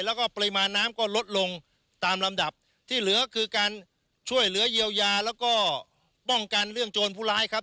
แล้วก็ปริมาณน้ำก็ลดลงตามลำดับที่เหลือคือการช่วยเหลือเยียวยาแล้วก็ป้องกันเรื่องโจรผู้ร้ายครับ